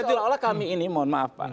jadi seolah olah kami ini mohon maaf pak